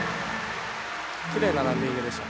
きれいなランディングでした。